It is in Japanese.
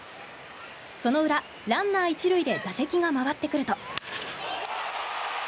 その裏、ランナー１塁で打席が回ってくると。